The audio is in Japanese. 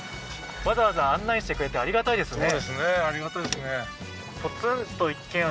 わざわざ案内してくれてありがたいですね。